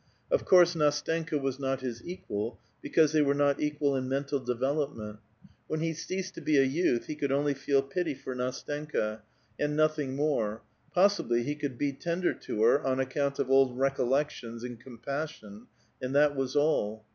Of course Ndstenka was "^^t his equal, because they were not equal in mental devel ^Pnient. When he ceased to be a youth, he could only feel P*ty for Ndstenka, and nothing more ; possibly he could be ^uder to her, on account of old recollections and compas *iQn, and that was all.